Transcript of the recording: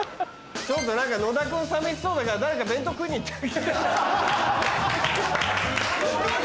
ちょっと何か野田君さみしそうだから誰か弁当食いに行ってあげて。